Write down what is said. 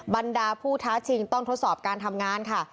บรรดาผู้ท้าชิงต้องทดสอบการทำงานค่ะ